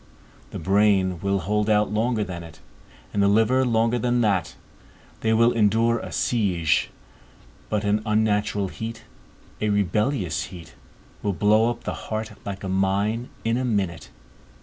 The brain will hold out longer than it, and the liver longer than that; they will endure a siege; but an unnatural heat, a rebellious heat, will blow up the heart, like a mine, in a minute.